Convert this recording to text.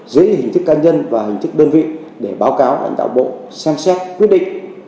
dưới hình thức cá nhân và hình thức đơn vị để báo cáo lãnh đạo bộ xem xét quyết định